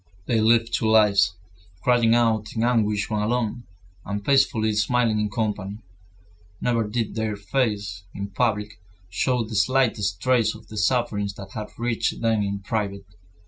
They lived two lives, crying out in anguish when alone, and peacefully smiling in company. Never did their faces, in public, show the slightest trace of the sufferings that had reached them in private.